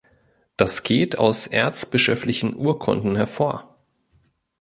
Das geht aus erzbischöflichen Urkunden hervor.